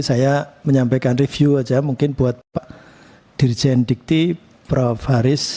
saya menyampaikan review saja mungkin buat pak dirjen dikti prof haris